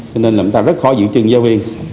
cho nên là chúng ta rất khó giữ chân giáo viên